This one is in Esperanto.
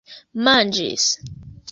manĝis